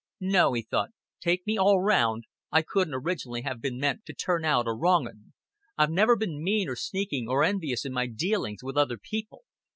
"No," he thought, "take me all round, I couldn't originally have bin meant to turn out a wrong un. I've never bin mean or sneaking or envious in my dealings with other people.